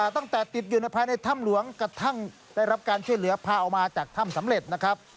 ตั้งแต่ติดอยู่ในภายในถ้ำหลวงกระทั่งได้รับการช่วยเหลือพาออกมาจากถ้ำสำเร็จนะครับ